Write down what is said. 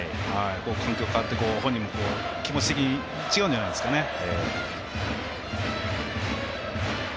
環境変わって本人も、気持ち的に違うんじゃないですかね。